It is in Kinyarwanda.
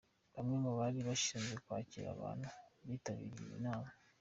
Bamwe mu bari bashinzwe kwakira abantu bitabiriye iyi nama.